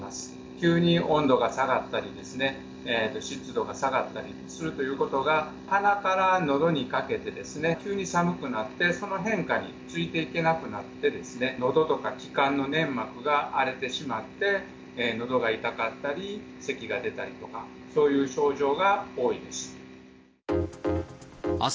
急に温度が下がったりですね、湿度が下がったりするということが、鼻からのどにかけてですね、急に寒くなって、その変化についていけなくなって、のどとか気管の粘膜が荒れてしまって、のどが痛かったり、せきが出たりとか、そういう症状が多いです。